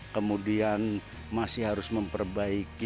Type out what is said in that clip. kemudian masih harus memperbaiki